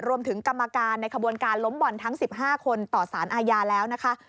รวมถึงกรรมการในขบวนการล้มบ่อนทั้ง๑๕คนต่อสารอาญาแล้วนะคะ